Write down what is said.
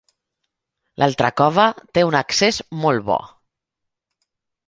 L'altra cova té un accés molt bo.